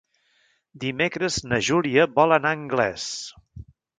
Dimecres na Júlia vol anar a Anglès.